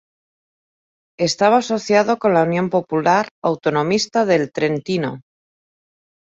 Estaba asociado con la Unión Popular Autonomista del Trentino.